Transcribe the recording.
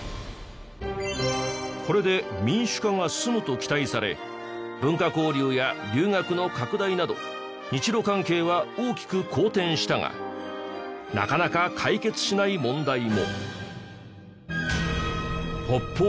これで民主化が進むと期待され文化交流や留学の拡大など日露関係は大きく好転したがなかなか解決しない問題も。